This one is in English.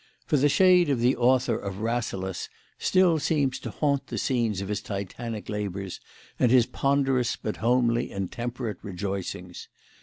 For the shade of the author of Rasselas still seems to haunt the scenes of his Titanic labours and his ponderous but homely and temperate rejoicings.